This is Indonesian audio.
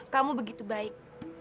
kamu begitu baik